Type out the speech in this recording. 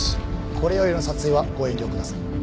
これよりの撮影はご遠慮ください。